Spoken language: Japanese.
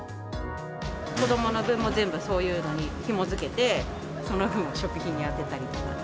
子どもの分も全部そういうのにひもづけて、その分、食費に充てたりとか。